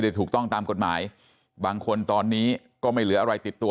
ถูกต้องตามกฎหมายบางคนตอนนี้ก็ไม่เหลืออะไรติดตัว